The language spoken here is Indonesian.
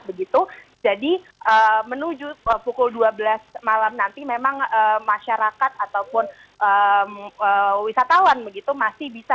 begitu jadi menuju pukul dua belas malam nanti memang masyarakat ataupun wisatawan begitu masih bisa